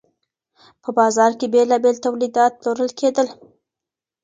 په بازار کي بیلابیل تولیدات پلورل کیدل.